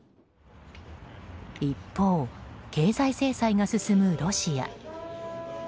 一方、経済制裁が進むロシア。